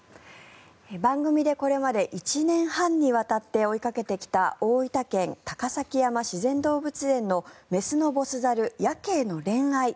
番組でこれまで１年半にわたって追いかけてきた大分県・高崎山自然動物園の雌のボス猿、ヤケイの恋愛。